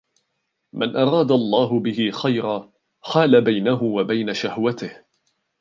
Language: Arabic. مَنْ أَرَادَ اللَّهُ بِهِ خَيْرًا حَالَ بَيْنَهُ وَبَيْنَ شَهْوَتِهِ